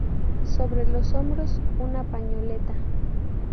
Sobre los hombros una pañoleta.